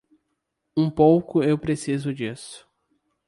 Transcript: Um pouco eu preciso disso.